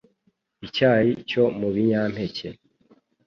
icyayi cyo mu binyampeke,